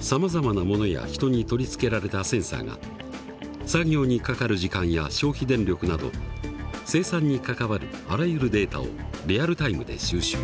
さまざまなものや人に取り付けられたセンサーが作業にかかる時間や消費電力など生産に関わるあらゆるデータをリアルタイムで収集。